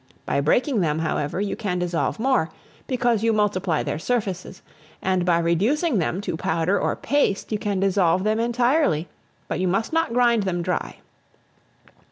By breaking them, however, you can dissolve more, because you multiply their surfaces; and by reducing them to powder or paste, you can dissolve them entirely; but you must not grind them dry.